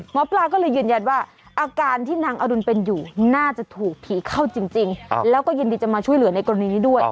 หมอปลาก็เลยยืนยันว่าอาการที่นางอดุลเป็นอยู่น่าจะถูกผีเข้าจริงแล้วก็ยินดีจะมาช่วยเหลือในกรณีนี้ด้วย